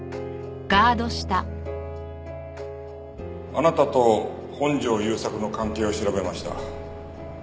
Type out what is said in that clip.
あなたと本城雄作の関係を調べました。